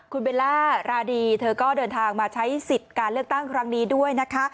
คุณเบลล่าราดีเธอก็เดินทางมาใช้สิทธิ์การเลือกตั้งครั้งนี้ด้วยนะคะ